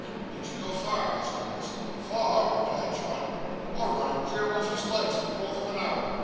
'Did you go far?' asked Nicholas. 'Far!' replied John; 'I run him clean off his legs in quarther of an hoor.